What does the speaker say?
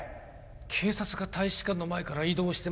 「警察が大使館の前から移動してます」